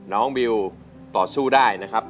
น้องบิวตอบสู้ได้นะครับ